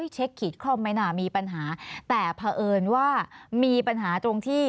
เช็คขีดเข้าไปไหมนะมีปัญหาแต่เผอิญว่ามีปัญหาตรงที่